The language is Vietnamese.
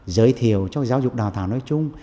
giới thiệu cho giáo dục đào tạo nói chung